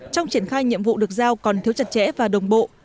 trong triển khai nhiệm vụ được giao còn thiếu chặt chẽ và đồng bộ